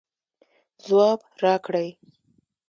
ځواب راکړئ